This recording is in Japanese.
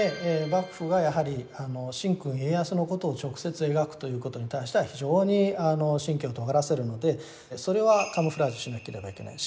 幕府はやはり神君家康のことを直接描くということに対しては非常に神経をとがらせるのでそれはカムフラージュしなければいけない。